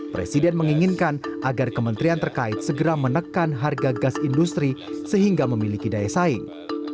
presiden menginginkan agar kementerian terkait segera menekan harga gas industri sehingga memiliki daya saing